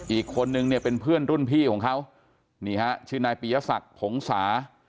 อีกคนนึงเนี่ยเป็นเพื่อนรุ่นพี่ของเขานี่ฮะชื่อนายปียศักดิ์ผงสา